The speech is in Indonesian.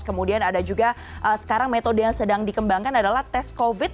kemudian ada juga sekarang metode yang sedang dikembangkan adalah tes covid